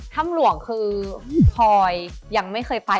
ถ้ำหลวงคือพลอยยังไม่เคยไป